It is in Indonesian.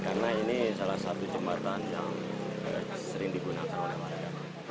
karena ini salah satu jembatan yang sering digunakan oleh warga cipatat